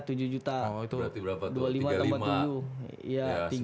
berarti berapa tuh rp tiga puluh lima